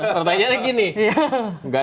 pertanyaannya gini nggak